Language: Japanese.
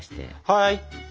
はい。